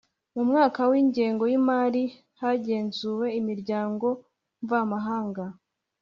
Mu mwaka w ingengo y imari hagenzuwe Imiryango mvamahanga